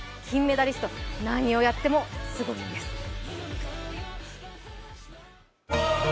金メダリスト何をやってもすごいんです。